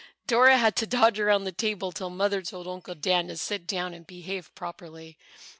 Dora had to dodge around the table till Mother told Uncle Dan to sit down and behave properly.